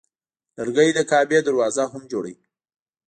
لرګی د کعبې دروازه هم جوړوي.